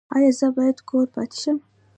ایا زه باید کور پاتې شم؟